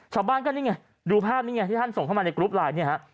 ชาวบ้านก็นี่ไงดูภาพนี้ไงที่ท่านส่งเข้ามาในกรุ๊ปไลน์เนี่ยฮะ